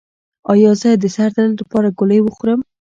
ایا زه د سر درد لپاره ګولۍ وخورم؟